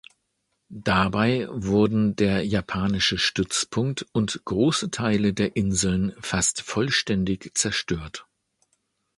Dabei wurden der japanische Stützpunkt und große Teile der Inseln fast vollständig zerstört.